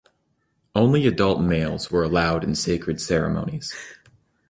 Only adult males were allowed in sacred ceremonies.